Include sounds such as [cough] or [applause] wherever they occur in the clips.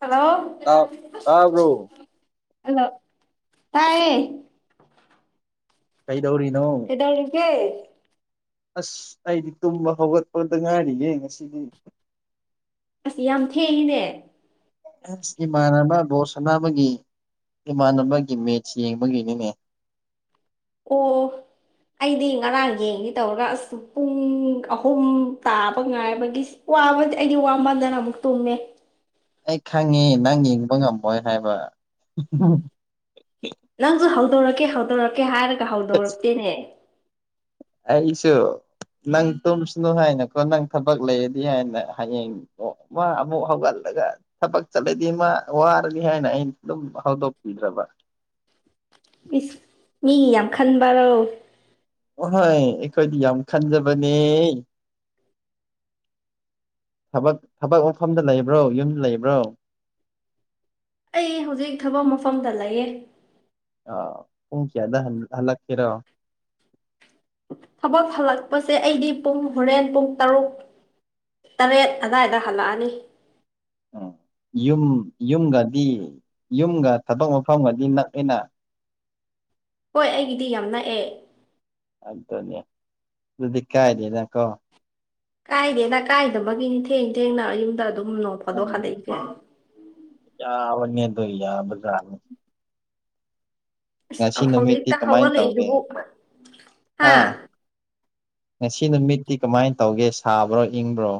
Hello ꯇꯥ ꯇꯥꯕ꯭ꯔꯣ hello ꯇꯥꯏꯌꯦ ꯀꯩꯗꯧꯔꯤꯅꯣ ꯗꯧꯔꯤꯒꯦ [unintelligible] ꯑꯁ ꯑꯩꯗꯤ ꯇꯨꯝꯕ ꯍꯧꯒꯠꯄꯗ ꯉꯥꯏꯔꯤꯌꯦ ꯉꯁꯤꯗꯤ ꯑꯁ ꯌꯥꯝ ꯊꯦꯡꯉꯤꯅꯦ ꯑꯁ ꯏꯃꯥꯟꯅꯕ ꯕꯣꯜ ꯁꯅꯥꯕꯒꯤ ꯏꯃꯥꯟꯅꯕꯒꯤ ꯃꯦꯠꯆ ꯌꯦꯡꯕꯒꯤꯅꯤꯅꯦ ꯑꯣ ꯑꯩꯗꯤ ꯉꯔꯥꯡ ꯌꯦꯡꯒꯦ ꯇꯧꯔꯒ ꯑꯁ ꯄꯨꯡ ꯑꯍꯨꯝ ꯇꯥꯕ ꯉꯥꯏꯕꯒꯤꯁ ꯋꯥꯕꯗꯤ ꯑꯩꯗꯤ ꯋꯥꯃꯟꯗꯅ ꯑꯃꯨꯛ ꯇꯨꯝꯃꯦ ꯑꯩ ꯈꯪꯉꯦ ꯅꯪ ꯌꯦꯡꯕ ꯉꯝꯃꯣꯏ ꯍꯥꯏꯕ ꯅꯪꯁꯨ ꯍꯧꯗꯣꯔꯛꯀꯦ ꯍꯧꯗꯣꯔꯛꯀꯦ ꯍꯥꯏꯔꯒ ꯍꯧꯗꯣꯔꯛꯇꯦꯅꯦ ꯑꯩꯁꯨ ꯅꯪ ꯇꯨꯝꯁꯅꯨ ꯍꯥꯏꯅꯀꯣ ꯅꯪ ꯊꯕꯛ ꯂꯩꯔꯗꯤ ꯍꯥꯏꯅ ꯍꯌꯦꯡ ꯑꯣ ꯃꯥ ꯑꯃꯨꯛ ꯍꯧꯒꯠꯂꯒ ꯊꯕꯛ ꯆꯠꯂꯗꯤ ꯃꯥ ꯋꯥꯔꯅꯤ ꯍꯥꯏꯅ ꯑꯩꯅ ꯑꯗꯨꯝ ꯍꯧꯗꯣꯛꯄꯤꯗ꯭ꯔꯕ ꯃꯤꯒꯤ ꯌꯥꯝ ꯈꯟꯕꯔꯣ ꯑꯍꯣꯏ ꯑꯩꯈꯣꯏꯗꯤ ꯌꯥꯝ ꯈꯟꯖꯕꯅꯦ ꯊꯕꯛ ꯊꯕꯛ ꯃꯐꯝꯗ ꯂꯩꯕ꯭ꯔꯣ ꯌꯨꯝꯗ ꯂꯩꯕ꯭ꯔꯣ ꯑꯩ ꯍꯧꯖꯤꯛ ꯊꯕꯛ ꯃꯐꯝꯗ ꯂꯩꯌꯦ ꯄꯨꯡ ꯀꯌꯥꯗ ꯍꯜꯂꯛ ꯀꯦꯔꫭ ꯊꯕꯛ ꯍꯜꯂꯛꯄꯁꯦ ꯑꯩꯗꯤ ꯄꯨꯡ ꯍꯣꯔꯦꯟ ꯄꯨꯡ ꯇꯔꯨꯛ ꯇꯔꯦꯠ ꯑꯗꯥꯏꯗ ꯍꯜꯂꯛꯑꯅꯤ ꯎꯝ ꯌꯨꯝ ꯌꯨꯝꯒꯗꯤ ꯌꯨꯝꯒ ꯊꯕꯛ ꯃꯐꯝꯒꯗꯤ ꯅꯛꯑ‌ꯦꯅ ꯍꯣꯏ ꯑꯩꯒꯤꯗꯤ ꯌꯥꯝ ꯅꯛꯑꯦ ꯑꯗꯨꯗꯅꯦ ꯑꯗꯨꯗꯤ ꯀꯥꯏꯗ‌ꯦꯅ ꯀꯣ ꯀꯥꯏꯗꯦꯗ ꯀꯥꯏꯗꯕꯒꯤꯅꯤ ꯊꯦꯡ ꯊꯦꯡꯅ ꯌꯨꯝꯗ ꯑꯗꯨꯝ ꯐꯥꯗꯣꯛ ꯍꯜꯂꯛꯏꯁꯦ ꯌꯥꯕꯅꯦꯗꯣ ꯌꯥꯕꯖꯥꯠꯅꯦ ꯉꯁꯤ ꯑꯁ ꯅꯨꯃꯤꯠꯇꯤ ꯍꯧꯖꯤꯛꯇ ꯀꯃꯥꯏ ꯇꯧꯒꯦ ꯍꯧꯒꯠꯂꯛꯏꯗꯨꯕꯨ ꯍꯥ ꯉꯁꯤ ꯅꯨꯃꯤꯠꯇꯤ ꯀꯃꯥꯏ ꯇꯧꯒꯦ ꯁꯥꯕ꯭ꯔꯣ ꯏꯪꯕ꯭ꯔꯣ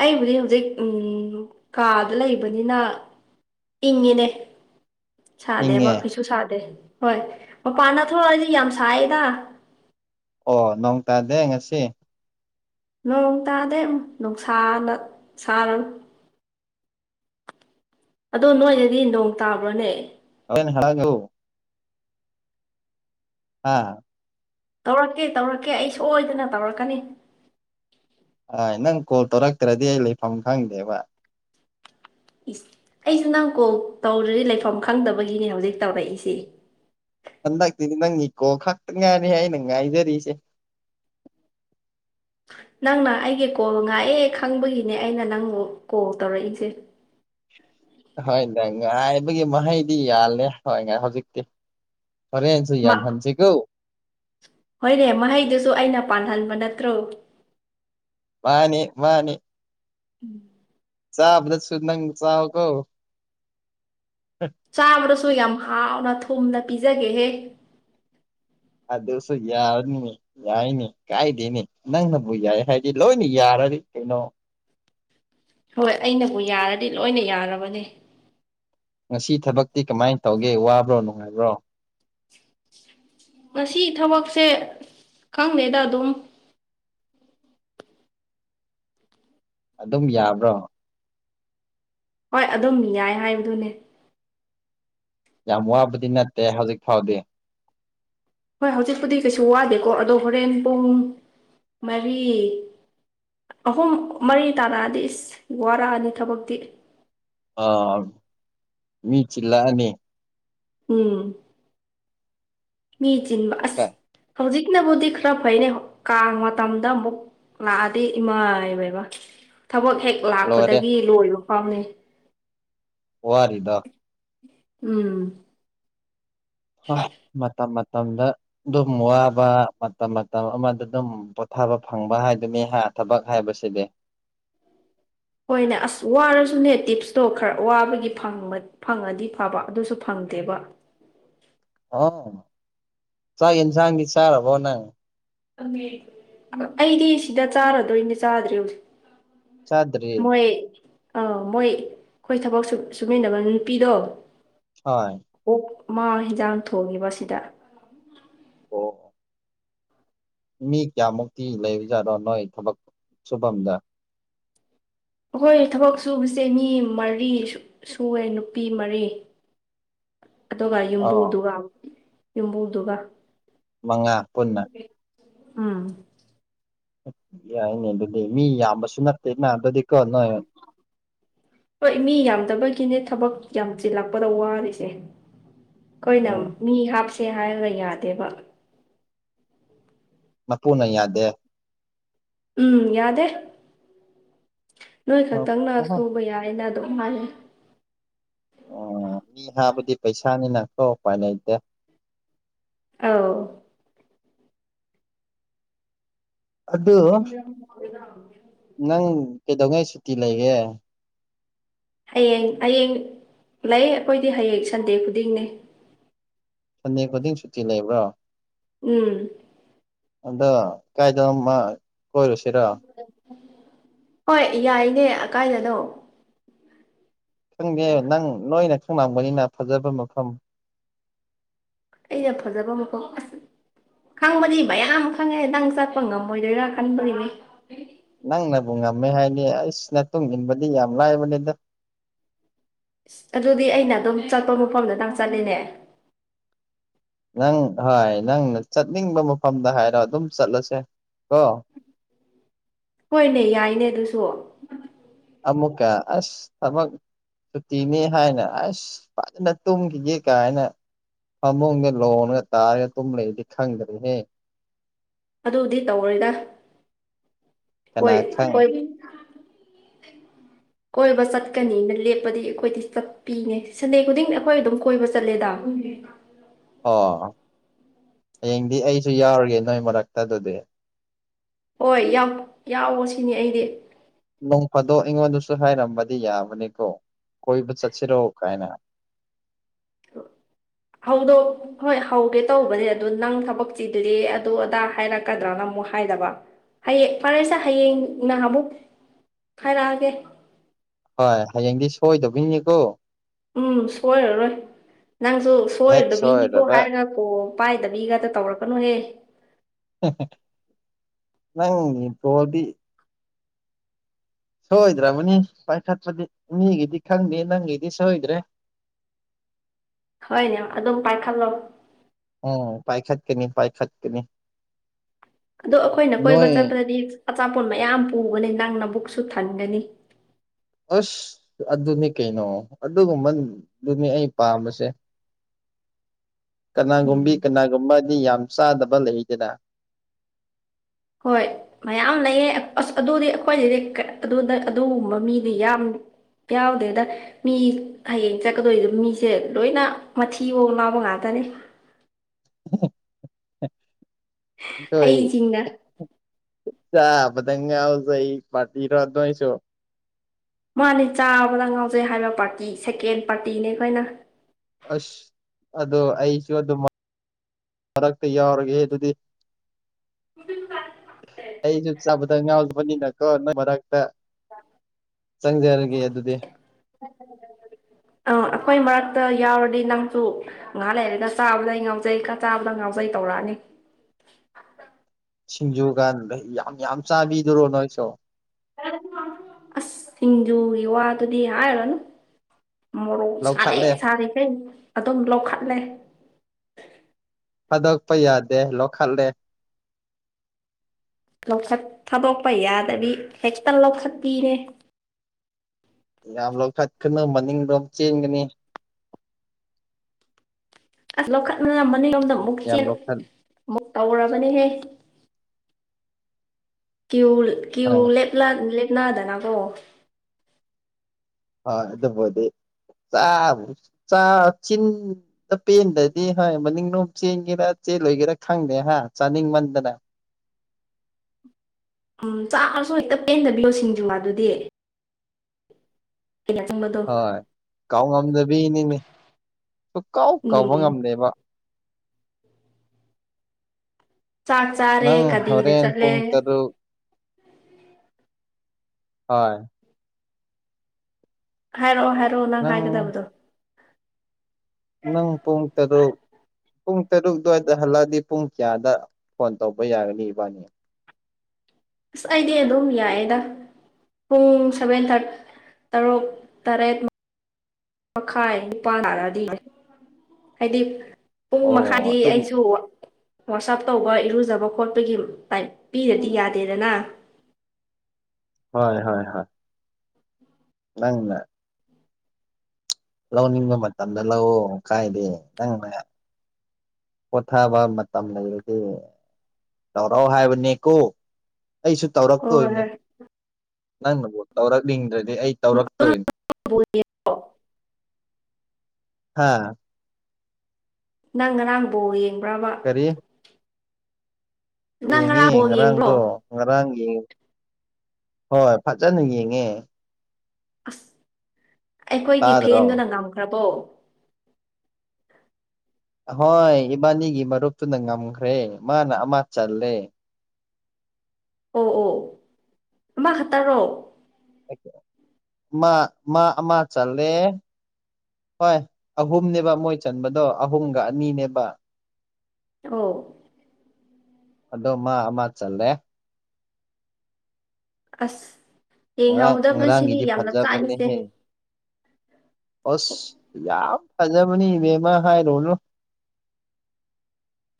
ꯑꯩꯕꯨꯗꯤ ꯍꯧꯖꯤꯛ ꯎꯝ ꯀꯥꯗ ꯂꯩꯕꯅꯤꯅ ꯏꯪꯉꯤꯅꯦ ꯁꯥꯗꯦꯕ ꯏꯪꯉꯦ ꯀꯩꯁꯨ ꯁꯥꯗꯦ ꯍꯣꯏ ꯃꯄꯥꯟꯅ ꯊꯣꯛꯑꯗꯤ ꯌꯥꯝ ꯁꯥꯏꯗ ꯑꯣ ꯅꯣꯡ ꯇꯥꯗꯦ ꯉꯁꯤ ꯅꯣꯡ ꯇꯥꯗꯦ ꯑ ꯅꯨꯡꯁꯥꯅ ꯁꯥꯔ ꯑꯗꯣ ꯅꯣꯏꯗꯗꯤ ꯅꯣꯡ ꯇꯥꯕ꯭ꯔꯣꯅꯦ [unintelligible] ꯍꯥ ꯇꯧꯔꯛꯀꯦ ꯇꯧꯔꯛꯀꯦ ꯑꯩ ꯁꯣꯏꯗꯅ ꯇꯧꯔꯛꯀꯅꯤ ꯑ ꯅꯪ ꯀꯣꯜ ꯇꯧꯔꯛꯇ꯭ꯔꯗꯤ ꯑꯩ ꯂꯩꯐꯝ ꯈꯪꯗꯦꯕ ꯏꯁ ꯑꯩꯁꯨ ꯅꯪ ꯀꯣꯜ ꯇꯧꯔꯔꯤ ꯂꯩꯐꯝ ꯈꯪꯗꯕꯒꯤꯅꯦ ꯍꯧꯖꯤꯛ ꯇꯧꯔꯛꯏꯁꯤ ꯍꯟꯗꯛꯇꯤꯗꯤ ꯅꯪ ꯀꯣꯜ ꯈꯛꯇ ꯉꯥꯏꯔꯦ ꯑꯩꯅ ꯉꯥꯏꯖꯔꯤꯁꯦ ꯅꯪꯅ ꯑꯩꯒꯤ ꯀꯣꯜ ꯉꯥꯛꯑꯦ ꯈꯪꯕꯒꯤꯅꯦ ꯑꯩꯅ ꯅꯪꯕꯨ ꯀꯣꯜ ꯇꯧꯔꯛꯏꯁꯦ ꯍꯣꯏꯅꯦ ꯉꯥꯏꯕꯒꯤ ꯃꯍꯩꯗꯤ ꯌꯥꯜꯂꯦ ꯍꯣꯏ ꯉꯥꯏ ꯍꯧꯖꯤꯛꯇꯤ ꯐꯣꯔꯦꯦꯟꯟꯁꯨ ꯃ ꯌꯥꯟ ꯍꯟꯁꯤꯒꯣ ꯍꯣꯏꯅꯦ ꯃꯍꯩꯗꯨꯁꯨ ꯑꯩꯅ ꯄꯥꯟꯍꯟꯕ ꯅꯠꯇ꯭ꯔꯣ ꯃꯥꯅꯦ ꯃꯥꯅꯦ ꯎꯝ ꯆꯥꯕꯗ ꯁꯨ ꯅꯪ ꯆꯥꯕ ꯀꯣ ꯑ ꯆꯥꯕꯗꯁꯨ ꯌꯥꯝ ꯍꯥꯎꯅ ꯊꯨꯝꯅ ꯄꯤꯖꯒꯦꯍꯦ ꯑꯗꯁ ꯌꯥꯎꯔꯅꯤ ꯌꯥꯏꯅꯤ ꯀꯥꯏꯗꯦꯅꯤ ꯅꯪꯅꯕꯨ ꯌꯥꯏ ꯍꯥꯏꯗꯤ ꯂꯣꯏꯅ ꯌꯥꯔꯗꯤ ꯀꯩꯅꯣ ꯍꯣꯏ ꯑꯩꯅꯕꯨ ꯌꯥꯔꯗꯤ ꯂꯣꯏꯅ ꯌꯥꯔꯕꯅꯤ ꯉꯁꯤ ꯊꯕꯛꯇꯤ ꯀꯃꯥꯏꯅ ꯇꯧꯒꯦ ꯋꯥꯕ꯭ꯔꯣ ꯅꯨꯡꯉꯥꯏꯕ꯭ꯔꯣ ꯉꯁꯤ ꯊꯕꯛꯁꯦ ꯈꯪꯗꯦꯗ ꯑꯗꯨꯝ ꯑꯗꯨꯝ ꯌꯥꯕ꯭ꯔꯣ ꯍꯣꯏ ꯑꯗꯨꯝ ꯌꯥꯏ ꯍꯥꯏꯕꯗꯨꯅꯦ ꯌꯥꯝ ꯋꯥꯕꯗꯤ ꯅꯠꯇꯦ ꯍꯧꯖꯤꯛ ꯐꯥꯎꯗꯤ ꯍꯣꯏ ꯍꯧꯖꯤꯛꯄꯨꯗꯤ ꯀꯩꯁꯨ ꯋꯥꯗꯦꯀꯣ ꯑꯗꯣ ꯍꯣꯔꯦꯟ ꯄꯨꯡ ꯃꯔꯤ ꯑꯍꯨꯝ ꯃꯔꯤ ꯇꯥꯔꯛꯑꯗꯤ ꯏꯁ ꯋꯥꯔꯛꯑꯅꯤ ꯊꯕꯛꯇꯤ ꯑꯥ ꯃꯤ ꯆꯤꯂꯅꯤ ꯎꯝ ꯃꯤ ꯆꯤꯟꯕ ꯑꯁ ꯀ ꯍꯧꯖꯤꯛꯅꯕꯨꯗꯤ ꯈꯔ ꯐꯩꯅꯦ ꯀꯥꯡ ꯃꯇꯝꯗ ꯑꯃꯨꯛ ꯂꯥꯛꯑꯗꯤ ꯏꯃꯥꯏꯕꯕ ꯊꯕꯛ ꯍꯦꯛ ꯂꯣꯏꯔꯦ ꯂꯥꯛꯄꯗꯒꯤ ꯂꯣꯏꯕ ꯐꯥꯎꯅꯤ ꯋꯥꯔꯤꯗ ꯎꯝ ꯍꯣꯏ ꯃꯇꯝ ꯃꯇꯝꯗ ꯑꯗꯨꯝ ꯋꯥꯕ ꯃꯇꯝ ꯃꯇꯝ ꯑꯃꯗ ꯑꯗꯨꯝ ꯄꯣꯊꯥꯕ ꯐꯪꯕ ꯍꯥꯏꯗꯨꯅꯤ ꯊꯕꯛ ꯍꯥꯏꯕꯁꯤꯗꯤ ꯍꯣꯏꯅꯦ ꯑꯁ ꯋꯥꯔꯁꯨꯅꯦ ꯇꯤꯞꯁꯇꯣ ꯈꯔ ꯋꯥꯕꯒꯤ ꯐꯪꯕ ꯐꯪꯉꯗꯤ ꯐꯕ ꯑꯗꯨꯁꯨ ꯐꯪꯗꯦꯕ ꯑ ꯆꯥꯏ ꯌꯦꯟꯁꯥꯡꯒꯤ ꯆꯔꯔꯕꯣꯅꯥ ꯑꯩꯗꯤ ꯁꯤꯗ ꯆꯥꯔꯗꯣꯏꯅꯦ ꯆꯥꯗ꯭ꯔꯔꯤ ꯍꯧꯖꯤꯛ ꯆꯥꯗ꯭ꯔꯤ ꯃꯣꯏ ꯑꯥ ꯃꯣꯏ ꯑꯩꯈꯣꯏ ꯊꯕꯛ ꯁꯨꯃꯤꯟꯅꯕ ꯅꯨꯄꯤꯗꯣ ꯍꯣꯏ ꯑꯣꯛ ꯃꯥꯡ ꯍꯟꯖꯥꯡ ꯊꯣꯡꯈꯤꯕ ꯁꯤꯗ ꯑꯣ ꯃꯤ ꯀꯌꯥꯃꯨꯛꯇꯤ ꯂꯩꯕꯖꯥꯠꯔꯣ ꯅꯣꯏ ꯊꯕꯛ ꯁꯨꯐꯝꯗ ꯑꯩꯈꯣꯏ ꯊꯕꯛ ꯁꯨꯕꯁꯦ ꯃꯤ ꯃꯔꯤ ꯁꯨꯋꯦ ꯅꯨꯄꯤ ꯃꯔꯤ ꯑꯗꯨꯒ ꯑꯣ ꯌꯨꯝꯕꯨꯗꯨꯒ ꯌꯨꯝꯕꯨꯗꯨꯒ ꯃꯉꯥ ꯄꯨꯟꯅ ꯎꯝ ꯌꯥꯏꯅꯦ ꯑꯗꯨꯗꯤ ꯃꯤ ꯌꯥꯝꯕꯁꯨ ꯅꯠꯇꯦꯃ ꯑꯗꯨꯗꯤꯀꯣ ꯅꯣꯏ ꯍꯣꯏ ꯃꯤ ꯌꯥꯝꯗꯕꯒꯤꯅꯦ ꯊꯕꯛ ꯌꯥꯝ ꯆꯤꯜꯂꯛꯄꯗ ꯋꯥꯔꯤꯔꯤꯁꯦ ꯑꯩꯈꯣꯏꯅ ꯎꯝ ꯃꯤ ꯍꯥꯞꯁꯦ ꯍꯥꯏꯕꯗ ꯌꯥꯗꯦꯕ ꯃꯄꯨꯅ ꯌꯥꯗꯦ ꯎꯝ ꯌꯥꯗꯦ ꯅꯣꯏ ꯎꯝ ꯈꯛꯇꯪꯅ ꯁꯨꯕ ꯌꯥꯏꯅ ꯑꯗꯨꯝ ꯃꯥꯜꯂꯤ ꯑꯣ ꯃꯤ ꯍꯥꯕꯗꯤ ꯄꯩꯁꯥꯅꯤꯅ ꯀꯣ ꯎꯄꯥꯏ ꯂꯩꯩꯇꯦ ꯑꯥꯎ ꯑꯗꯨ ꯅꯪ ꯀꯩꯗꯧꯉꯩ ꯁꯨꯇꯤ ꯂꯩꯒꯦ ꯍꯌꯦꯡ ꯍꯌꯦꯡ ꯂꯩ ꯑꯩꯈꯣꯏꯗꯤ ꯍꯌꯦꯡ ꯁꯟꯗꯦ ꯈꯨꯗꯤꯡꯅꯤ ꯁꯟꯗꯦ ꯈꯨꯗꯤꯡ ꯁꯨꯇꯤ ꯂꯩꯕ꯭ꯔꯣ ꯎꯝ ꯑꯗ ꯀꯥꯏꯗ ꯃꯥ ꯀꯣꯏꯔꯨꯁꯤꯔ ꯍꯣꯏ ꯌꯥꯏꯅꯦ ꯀꯀꯥꯏꯗꯅꯣ ꯈꯪꯗꯦ ꯅꯪ ꯅꯣꯏꯅ ꯈꯪꯂꯝꯂꯝꯕꯅꯤꯅ ꯐꯖꯕ ꯃꯐꯝ ꯑꯩꯅ ꯐꯖꯕ ꯃꯐꯝ ꯈꯪꯕꯅꯤ ꯃꯌꯥꯝ ꯈꯪꯉꯦ ꯅꯪ ꯆꯠꯄ ꯉꯝꯃꯣꯏꯗꯣꯏꯔꯥ ꯈꯟꯕꯅꯤꯅꯦ ꯅꯪꯅꯕꯨ ꯉꯝꯃꯦ ꯍꯥꯏꯅꯤ ꯑꯩꯁꯅ ꯇꯨꯡ ꯏꯟꯕꯗꯤ ꯌꯥꯝ ꯂꯥꯏꯕꯅꯤꯗ ꯑꯗꯨꯗꯤ ꯑꯩꯅ ꯑꯗꯨꯝ ꯆꯠꯄ ꯃꯐꯝꯗꯗꯪ ꯆꯠꯂꯤꯅꯦ ꯅꯪ ꯍꯣꯏ ꯅꯪꯅ ꯆꯠꯅꯤꯡꯕ ꯃꯐꯝꯗ ꯍꯥꯏꯔꯣ ꯑꯗꯨꯝ ꯆꯠꯂꯁꯦ ꯀꯣ ꯍꯣꯏꯅꯦ ꯌꯥꯏꯅꯦ ꯑꯗꯨꯁꯨ ꯑꯃꯃꯨꯀ ꯑꯁ ꯊꯃꯛ ꯁꯨꯇꯤꯅꯤ ꯍꯥꯏꯅ ꯑꯁ ꯐꯖꯅ ꯇꯨꯝꯈꯤꯒꯦ ꯀꯥꯏꯅ ꯐꯃꯨꯡꯗ ꯂꯣꯟꯉꯒ ꯇꯥꯔꯒ ꯑꯗꯨꯨꯝ ꯂꯩꯗꯤ ꯈꯪꯗ꯭ꯔꯦꯍꯦ ꯑꯗꯨꯗꯤꯠ ꯇꯧꯔꯣꯏꯗ ꯀꯅꯥ ꯀꯣꯏ ꯈꯪ ꯀꯣꯏꯒꯤ ꯀꯣꯏꯕ ꯆꯠꯀꯅꯤꯅ ꯂꯦꯞꯄꯗꯤ ꯑꯩꯈꯣꯏꯗꯤ ꯆ ꯄꯤꯅꯦ ꯁꯟꯗꯦ ꯈꯨꯗꯤꯡ ꯑꯩꯈꯣꯏ ꯑꯗꯨꯝ ꯀꯣꯏꯕ ꯆꯠꯂꯦꯗ ꯑꯣ ꯍꯌꯦꯡꯗꯤ ꯑꯩꯁꯨ ꯌꯥꯎꯔꯒꯦ ꯅꯣꯏ ꯃꯔꯛꯇ ꯑꯗꯨꯗꯤ ꯍꯣꯏ ꯌꯥꯎꯑꯣ ꯁꯤꯅꯤ ꯑꯩꯗꯤ ꯅꯣꯡꯐꯥꯗꯣꯛ ꯑꯩꯉꯣꯟꯗꯁꯨ ꯍꯥꯏꯔꯝꯕꯗꯤ ꯌꯥꯕꯅꯤꯀꯣ ꯀꯣꯏꯕ ꯆꯠꯁꯤꯔꯣ ꯀꯥꯏꯅ ꯍꯗꯣ ꯍꯣꯏ ꯍꯧꯒꯦ ꯇꯧꯕꯅꯦ ꯑꯗꯨ ꯅꯪ ꯊꯕꯛ ꯆꯤꯗꯨꯗꯤ ꯑꯗꯨ ꯑꯗꯥ ꯍꯥꯏꯔꯛꯀꯗ꯭ꯔꯅ ꯑꯃꯨꯛ ꯍꯥꯏꯗꯕ ꯍꯌꯦꯡ ꯐꯔꯦꯁꯦ ꯍꯌꯦꯡ ꯅꯍ ꯑꯃꯨꯛ ꯍꯥꯏꯔꯛꯑꯒꯦ ꯍꯣꯏ ꯍꯌꯦꯡꯗꯤ ꯁꯣꯏꯗꯕꯩꯅꯤꯀꯣ ꯎꯝ ꯁꯣꯏꯔꯔꯣꯏ ꯅꯪꯁꯨ ꯍꯦꯛ ꯁꯣꯏꯔꯗꯕꯤꯅꯤꯀꯣ ꯁꯣꯏꯔꯕ ꯍꯥꯏꯔꯒ ꯑꯣ ꯄꯥꯏꯗꯕꯤꯒꯗ ꯇꯧꯔꯛꯀꯅꯨꯍꯦ ꯅꯪ ꯏꯗꯤ ꯁꯣꯏꯗ꯭ꯔꯕꯅꯤ ꯄꯥꯏꯈꯠꯄꯗꯤ ꯃꯤꯒꯤꯗꯤ ꯈꯪꯗꯦ ꯅꯪꯒꯤꯗꯤ ꯁꯣꯏꯗ꯭ꯔꯦ ꯍꯣꯏꯅꯦ ꯑꯗꯨꯝ ꯄꯥꯏꯈꯠꯂꯣ ꯎꯝ ꯄꯥꯏꯈꯠ ꯀꯅꯤ ꯄꯥꯏꯈꯠ ꯀꯅꯤ ꯑꯗꯣ ꯑꯈꯣꯏꯅ ꯀꯣꯏꯕ ꯆꯠꯄꯗꯗꯤ ꯑꯆꯥꯄꯣꯠ ꯃꯌꯥꯝ ꯄꯨꯕꯅꯦ ꯅꯪ ꯅꯕꯨꯛꯁꯨ ꯊꯟꯒꯅꯤ ꯑꯁ ꯑꯗꯨꯅꯤ ꯀꯩꯅꯣ ꯑꯗꯨꯒꯨꯝꯕꯗꯨꯅꯤ ꯑꯩ ꯄꯥꯝꯕꯁꯦ [inaudible] ꯀꯅꯥꯒꯨꯝꯕꯤ ꯎꯝ ꯀꯅꯥꯒꯨꯝꯕꯗꯤ ꯌꯥꯝ ꯆꯥꯗꯕ ꯂꯩꯗꯅ ꯍꯣꯏ ꯃꯌꯥꯝ ꯂꯩꯌꯦ ꯑꯛ ꯑꯁ ꯑꯗꯨꯗꯤ ꯑꯩꯈꯣꯏꯗꯗꯤ ꯀꯩ ꯑꯗꯨꯗ ꯑꯗꯨꯒꯨꯝꯕ ꯃꯤꯗꯤ ꯌꯥꯝ ꯄꯌꯥꯎꯗꯗ ꯃꯤ ꯍꯌꯦꯡ ꯆꯠꯀꯗꯣꯏꯗꯣ ꯃꯤꯁꯦ ꯂꯣꯏꯅ ꯃꯊꯤꯕꯣꯡ ꯂꯥꯎꯕ ꯉꯥꯛꯇꯅꯦ ꯇꯣꯏ ꯑꯩꯁꯤꯡꯅ ꯆꯥꯕꯗ ꯉꯥꯎꯖꯩ ꯄꯥꯇ꯭ꯔꯤꯔꯣ ꯑꯗꯣꯏꯁꯨ ꯃꯥꯅꯦ ꯆꯥꯕꯗ ꯉꯥꯎꯖꯩ ꯍꯥꯏꯕ ꯄꯥꯔꯇꯤ ꯁꯦꯀꯦꯟ ꯄꯥꯔꯇꯤꯅꯦ ꯑꯩꯈꯣꯏꯅ ꯑꯁ ꯑꯗꯨ ꯑꯩꯁꯨ ꯑꯗꯨ ꯃꯔꯛꯇ ꯌꯥꯎꯔꯒꯦ ꯑꯗꯨꯗꯤ [unintelligible] ꯑꯩꯖꯨ ꯆꯥꯕꯗ ꯉꯥꯎꯖꯕꯅꯤꯅꯀꯣ ꯅꯣꯏ ꯃꯔꯛꯇ ꯆꯪꯖꯔꯒꯦ ꯑꯗꯨꯗꯤ ꯑꯪ ꯑꯩꯈꯣꯏ ꯃꯔꯛꯇ ꯌꯥꯎꯔꯗꯤ ꯅꯪꯁꯨ ꯉꯥꯏꯍꯥ ꯂꯩꯔꯦꯒ ꯆꯥꯕꯗꯩ ꯉꯥꯎꯖꯩ ꯀ ꯆꯥꯕꯗ ꯉꯥꯎꯖꯩ ꯇꯧꯔꯛꯑꯅꯤ ꯁꯤꯡꯖꯨꯀꯥꯟꯗ ꯌꯥꯝ ꯌꯥꯝ ꯆꯥꯕꯤꯗꯔꯣ ꯅꯣꯏꯁꯨꯣ ꯑꯁ ꯏꯖꯨ ꯌ ꯋꯥ ꯑꯗꯨꯨꯗꯤ ꯍꯥꯏꯥꯂꯅ ꯃꯣꯔꯣꯛ ꯁꯥꯔꯦ ꯂꯧꯈꯠꯂꯦ ꯁꯥꯔꯤꯈꯩ ꯑꯗꯨꯝ ꯂꯧꯈꯠꯂꯦ ꯊꯥꯗꯣꯛꯄ ꯌꯥꯗꯦ ꯂꯣꯈꯜꯂꯦ ꯂꯧꯈꯠ ꯊꯥꯗꯣꯛꯄ ꯌꯥꯗꯕꯤ ꯍꯦꯛꯇ ꯂꯧꯈꯠꯄꯤꯅꯦ꯫ ꯌꯥꯝ ꯂꯧ ꯈꯠꯀꯅꯨ ꯃꯅꯤꯡꯗꯣ ꯆꯦꯟꯒꯅꯤ꯫ ꯑꯁ ꯂꯧꯈꯠꯅꯅ ꯃꯅꯤꯡꯔꯣꯝꯗ ꯑꯃꯨꯛ ꯌꯥꯝ ꯆꯦꯟ ꯂꯧꯈꯠ ꯑꯃꯨꯛ ꯇꯧꯔꯕꯅꯦꯍꯦ꯫ ꯀ꯭ꯌꯨ ꯀ꯭ꯌꯨ ꯍꯣꯏ ꯂꯦꯞꯂ ꯂꯦꯞꯅꯗꯅꯀꯣ꯫ ꯍꯣꯏ ꯑꯗꯨꯕꯨꯗꯤ ꯆꯥ ꯆꯥ ꯆꯤꯟ ꯑ ꯄꯦꯟꯗꯗꯤ ꯍꯣꯏ ꯃꯅꯤꯡ ꯂꯣꯝ ꯆꯦꯟꯒꯦꯔꯥ ꯆꯦꯜꯂꯣꯏꯒꯦꯔꯥ ꯈꯪꯗꯦ ꯍꯥ ꯆꯥꯅꯤꯡꯃꯟꯗꯅ꯫ ꯎꯝ ꯆꯥꯔꯁꯨ ꯍꯦꯛꯇ ꯄꯦꯟꯗꯕꯤꯌꯣ ꯁꯤꯡꯖꯨꯒꯥ ꯑꯗꯨꯗꯤ꯫ [unintelligible] ꯌꯟꯁꯤꯟꯕꯗꯣ ꯍꯣꯏ ꯀꯥꯎ ꯉꯝꯗꯕꯤꯅꯤꯅꯦ ꯁꯨꯀꯥꯎ ꯀꯥꯎꯕ ꯎꯝ ꯉꯝꯗꯦꯕ꯫ ꯆꯥꯛ ꯆꯥꯔꯦ ꯅꯪ ꯀꯗꯤꯗ ꯍꯣꯔꯦꯟ ꯆꯠꯂꯦ꯫ ꯄꯨꯡ ꯇꯔꯨꯛ ꯍꯣꯏ ꯍꯥꯏꯔꯛꯑꯣ ꯍꯥꯏꯔꯛꯑꯣ ꯅꯪ ꯍꯥꯏꯒꯗꯕꯗꯣ꯫ ꯅꯪ ꯄꯨꯡ ꯇꯔꯨꯛ ꯄꯨꯡ ꯇꯔꯨꯛ ꯑꯗꯨꯋꯥꯏꯗ ꯍꯜꯂꯛꯑꯗꯤ ꯄꯨꯡ ꯀꯌꯥꯗ ꯐꯣꯟ ꯇꯧꯕ ꯌꯥꯒꯅꯤ ꯏꯕꯥꯅꯤ꯫ ꯑꯁ ꯑꯩꯗꯤ ꯑꯗꯨꯝ ꯌꯥꯏꯑꯦꯗ꯫ ꯄꯨꯡ ꯁꯚꯦꯟ ꯊꯥꯔꯠ ꯇꯔꯨꯛ ꯇꯔꯦꯠ ꯃ ꯃꯈꯥꯏ ꯅꯤꯄꯥꯥꯟ ꯇꯥꯔꯗꯤ ꯍꯥꯏꯗꯤ꯫ ꯄꯨꯡ ꯑꯣ ꯃꯈꯥꯗꯤ ꯑꯗꯨꯝ ꯑꯩꯁꯨ ꯋꯥꯁꯞ ꯇꯧꯕ ꯏꯔꯨꯖꯕ ꯈꯣꯠꯄꯒꯤ ꯇꯥꯏ ꯄꯤꯔꯗꯤ ꯌꯥꯗꯦꯗꯅ꯫ ꯍꯣꯏ ꯍꯣꯏ ꯍꯣꯏ ꯅꯪꯅ ꯂꯧꯅꯤꯡꯕ ꯃꯇꯝꯗ ꯂꯧꯑꯣ ꯀꯥꯏꯗꯦ ꯅꯪꯅ꯫ ꯄꯣꯊꯕ ꯃꯇꯝ ꯂꯩꯔꯗꯤ ꯇꯧꯔꯑꯣ ꯍꯥꯏꯕꯅꯦꯀꯣ ꯑꯩꯁꯨ꯫ ꯍꯣꯏ ꯇꯧꯔꯛꯇꯣꯏꯅꯤ ꯅꯪꯅꯕꯨ ꯇꯧꯔꯛꯅꯤꯡꯗ꯭ꯔꯗꯤ ꯑꯩ ꯇꯧꯔꯛꯇꯣꯏꯅꯤ꯫ ꯍꯣꯏ ꯍꯥꯥ ꯅꯪ ꯉꯔꯥꯡ ꯕꯣ ꯌꯦꯡꯕ꯭ꯔꯥꯕ꯫ ꯀꯔꯤ ꯅꯪ ꯌꯦꯡꯉꯦ ꯉꯔꯥꯡ ꯕꯣꯜ ꯌꯦꯡꯕ꯭ꯔꯣ ꯉꯔꯥꯡꯗꯣ ꯉꯔꯥꯡ ꯌꯦꯡꯉ ꯍꯣꯏ ꯐꯖꯅ ꯌꯦꯡꯉꯦ꯫ ꯑꯁ ꯑꯩꯈꯣꯏꯒꯤ ꯇꯥꯗ꯭ꯔꯣ ꯐꯦꯟꯗꯨꯅ ꯉꯝꯈ꯭ꯔꯕꯣ꯫ ꯍꯣꯏ ꯏꯕꯥꯅꯤꯒꯤ ꯃꯔꯨꯞꯇꯨꯅ ꯉꯝꯈ꯭ꯔꯦ ꯃꯥꯅ ꯑꯃ ꯆꯜꯂꯦ꯫ ꯑꯣ ꯑꯣ ꯑꯃ ꯈꯇꯥꯔꯣ꯫ ꯃꯥ ꯃꯥ ꯑꯃ ꯆꯜꯂꯦ꯫ ꯍꯣꯏ ꯑꯍꯨꯝꯅꯦꯕ ꯃꯣꯏ ꯆꯟꯕꯗꯣ ꯑꯍꯨꯝꯒ ꯑꯅꯤꯅꯦꯕ꯫ ꯊꯣ ꯑꯗꯣ ꯃꯥ ꯑꯃ ꯆꯜꯂꯦ꯫ ꯑꯁ ꯉꯔꯥꯡ ꯌꯦꯡꯍꯧꯗꯕꯁꯤꯅꯤ ꯉꯔꯥꯡꯒꯤꯗꯤ ꯌꯥꯝꯅ ꯆꯥꯛꯏꯁꯦ꯫ ꯐꯖꯕꯅꯦꯍꯦ ꯑꯁ ꯌꯥꯝ ꯐꯖꯕꯅꯤ ꯃꯦꯃ ꯍꯥꯏ ꯔꯣꯅꯨ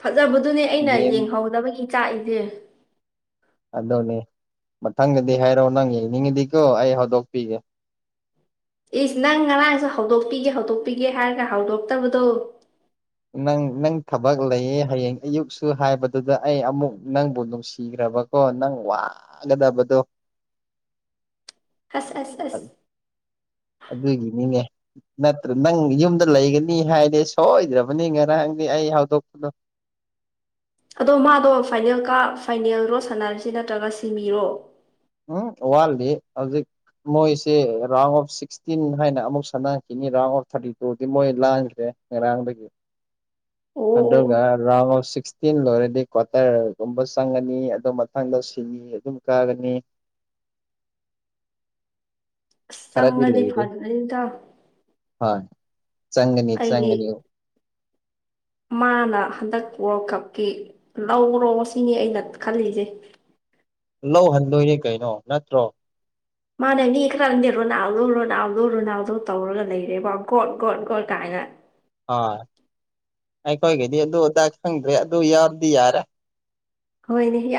ꯐꯖꯕꯗꯨꯅꯦ ꯑꯩꯅ ꯌꯦꯡꯍꯧꯗꯕꯒꯤ ꯆꯥꯛꯏꯖꯦ꯫ ꯑꯗꯨꯅꯦ ꯃꯊꯪꯗꯗꯤ ꯍꯥꯏꯔꯛꯑꯣ ꯅꯪ ꯌꯦꯡꯅꯤꯡꯉꯤꯗꯤꯀꯣ ꯑꯩ ꯍꯧꯗꯣꯛꯄꯤꯒꯦ꯫ ꯏꯁ ꯅꯪ ꯉꯔꯥꯡꯁꯨ ꯍꯧꯗꯣꯛꯄꯤꯒꯦ ꯍꯧꯗꯣꯛꯄꯤꯒꯦ ꯍꯥꯏꯔꯒ ꯍꯧꯗꯣꯛꯇꯕꯗꯣ꯫ ꯅꯪ ꯅꯪ ꯊꯕꯛ ꯂꯩꯌꯦ ꯍꯌꯦꯡ ꯑꯌꯨꯛꯁꯨ ꯍꯥꯏꯕꯗꯨꯗ ꯑꯩ ꯑꯃꯨꯛ ꯅꯪꯕꯨ ꯅꯨꯡꯁꯤꯔꯕ꯫ ꯑꯣ ꯅꯪ ꯋꯥꯒꯗꯕꯗꯣ꯫ ꯑꯁ ꯑꯁ ꯑꯁ ꯑꯗꯨꯒꯤꯅꯤꯅꯦ ꯅꯠꯇ꯭ꯔ ꯅꯪ ꯌꯨꯝꯗ ꯂꯩꯒꯅꯤ ꯍꯥꯏꯗꯤ ꯁꯣꯏꯗ꯭ꯔꯕꯅꯤ ꯉꯔꯥꯡꯗꯤ ꯑꯩ ꯍꯧꯗꯣꯛꯄꯗꯣ꯫ ꯑꯗꯣ ꯃꯥꯗꯣ ꯐꯥꯏꯅꯦꯜ ꯀꯥ ꯐꯥꯏꯅꯦꯜꯔꯣ ꯁꯥꯟꯅꯔꯤꯁꯤ ꯅꯠꯇ꯭ꯔꯒ ꯁꯤꯃꯤꯔꯣ꯫ ꯎꯝ ꯋꯥꯜꯂꯤ ꯍꯧꯖꯤꯛ ꯃꯣꯏꯁꯦ ꯔꯥꯎꯟ ꯑꯣꯐ ꯁꯤꯛꯁꯇꯤꯟ ꯍꯥꯏꯅ ꯑꯃꯨꯛ ꯁꯥꯟꯅꯈꯤꯅꯤ ꯔꯥꯎꯟ ꯑꯣꯐ ꯊꯥꯔꯇꯤ ꯇꯨꯗꯤ ꯃꯣꯏ ꯂꯥꯟꯈ꯭ꯔꯦ꯫ ꯉꯔꯥꯡꯗꯩ [unintelligible] ꯑꯣ ꯑꯣ ꯑꯣ ꯔꯐ ꯇꯤꯟ ꯂꯣꯏꯔꯗꯤ ꯀ꯭ꯋꯥꯇꯔꯒꯨꯝꯕ ꯆꯪꯒꯅꯤ ꯑꯗꯨꯗ ꯃꯊꯪꯗ ꯁꯤꯂꯤ ꯑꯗꯨꯝ ꯀꯥꯒꯅꯤ ꯑꯁ ꯈꯔꯗꯤ ꯆꯪꯉꯗꯤ ꯂꯩꯗꯤ ꯐꯅꯤꯗ ꯍꯣꯏ ꯆꯪꯒꯅꯤ ꯑꯩꯗꯤ ꯆꯒꯅꯤ ꯃꯥꯅ ꯍꯟꯗꯛ ꯋꯥꯔꯜ ꯀꯞꯀꯤ ꯂꯧꯔꯣ ꯁꯤꯅꯤ ꯑꯩꯅ ꯈꯜꯂꯤꯁꯦ ꯂꯧꯍꯟꯗꯣꯏꯅꯦ ꯀꯩꯅꯣ ꯅꯠꯇ꯭ꯔꯣ ꯃꯥꯅꯦ ꯃꯤ ꯈꯔꯪꯗꯦ ꯔꯣꯅꯥꯜꯗꯣ ꯔꯣꯅꯥꯎꯜꯗꯣ ꯔꯣꯅꯥꯎꯗꯣ ꯇꯧꯔꯒ ꯂꯩꯔꯦꯕꯣ ꯒꯣꯠ ꯒꯣꯠ ꯒꯣꯠ ꯀꯥꯏꯅ ꯍ ꯑꯩꯈꯣꯏꯒꯤꯗꯤ ꯑꯗꯨ ꯑꯗꯥ ꯈꯪꯗ꯭ꯔꯦ ꯑꯗꯨ ꯌꯥꯎꯔꯗꯤ ꯌꯥꯔꯦ ꯍꯣꯏꯅꯦ